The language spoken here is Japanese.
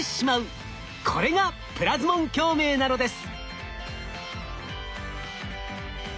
これがプラズモン共鳴なのです。